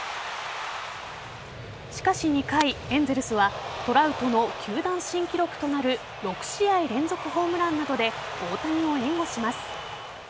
しかし２回、エンゼルスはトラウトの球団新記録となる６試合連続ホームランなどで大谷を援護します。